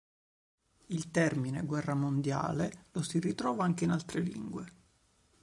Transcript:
Il termine "guerra mondiale" lo si ritrova anche in altre lingue.